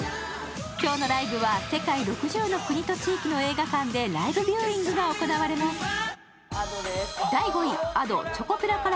今日のライブは世界６０の国と地域の映画館でライブビューイングが行われます。